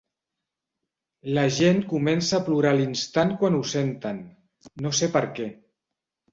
La gent comença a plorar a l"instant quan ho senten, no sé perquè.